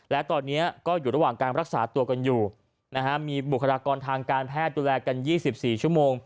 และตอนนี้ก็อยู่ระหว่างการรักษาตัวกันอยู่มีบุคลากรทางการแพทย์ดูแลกัน๒๔ชั่วโมง